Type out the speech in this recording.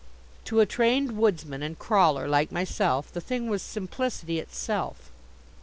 To a trained woodsman and crawler like myself the thing was simplicity itself.